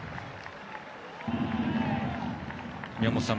宮本さん